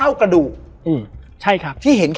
แล้วสักครั้งหนึ่งเขารู้สึกอึดอัดที่หน้าอก